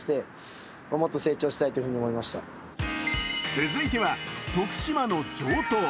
続いては徳島の城東。